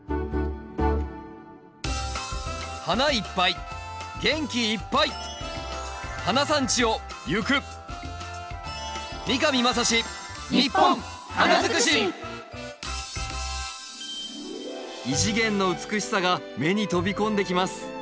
花いっぱい元気いっぱい花産地をゆく異次元の美しさが目に飛び込んできます。